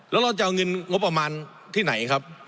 แล้วเราจะเอาเงินงบประมาณที่ไหนครับ